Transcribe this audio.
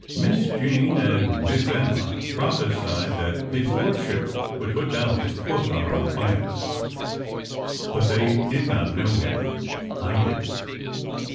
Miss Jane and Miss Emma prophesied that "his lord ship" would put down his foot on our plans, but they did not know him. I did.